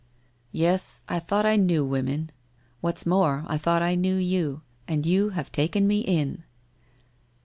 1 Yes, I thought I knew women. What's more, I thought I knew you, and you have taken me in